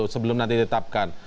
sebelum nanti ditetapkan